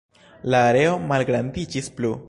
La areo malgrandiĝis plu.